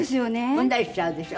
踏んだりしちゃうでしょ。